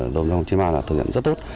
đồng chí hồng chí ma đã thực hiện rất tốt